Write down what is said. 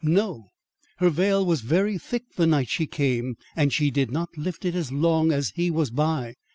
"No. Her veil was very thick the night she came and she did not lift it as long as he was by.